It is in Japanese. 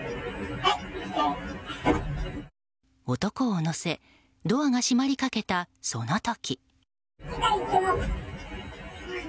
男を乗せドアが閉まりかけた、その時。